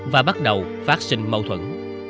và bắt đầu phát sinh mâu thuẫn